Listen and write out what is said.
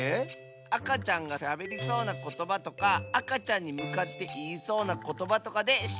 あかちゃんがしゃべりそうなことばとかあかちゃんにむかっていいそうなことばとかでしりとりするんだ！